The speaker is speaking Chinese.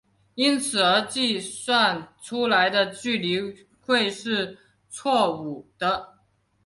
因此而计算出来的距离会是错武的。